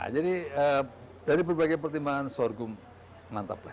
jadi dari berbagai pertimbangan sorghum mantap lah ya